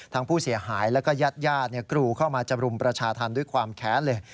ทั้งผู้เสียหายแล้วก็ญาติกรูเข้ามาจะรุมประชาธรรมด้วยความแค้นเลย